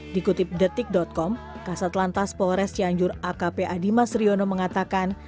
dikutip detik com kasat lantas polres cianjur akp adimas riono mengatakan